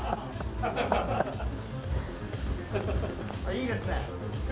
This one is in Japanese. いいですね。